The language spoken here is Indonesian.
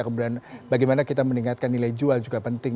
kemudian bagaimana kita meningkatkan nilai jual juga penting